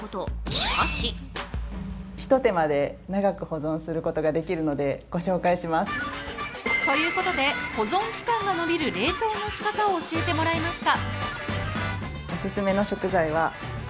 しかしということで、保存期間が延びる冷凍のしかたを教えてもらいました。